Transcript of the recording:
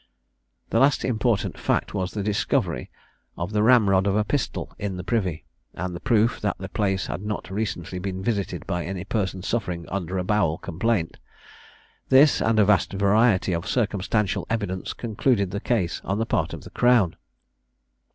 The last important fact was the discovery of the ramrod of a pistol in the privy, and the proof that that place had not recently been visited by any person suffering under a bowel complaint. This, and a vast variety of circumstantial evidence, concluded the case on the part of the crown.